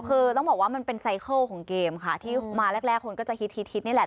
คือต้องบอกว่ามันเป็นไซเคิลของเกมค่ะที่มาแรกคนก็จะฮิตนี่แหละ